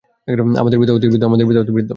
আমাদের পিতা অতি বৃদ্ধ।